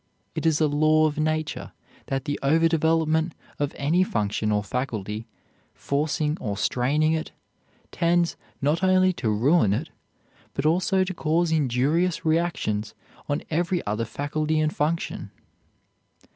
It is a law of nature that the overdevelopment of any function or faculty, forcing or straining it, tends not only to ruin it, but also to cause injurious reactions on every other faculty and function.